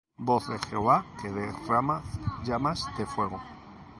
Voz de Jehová que derrama llamas de fuego.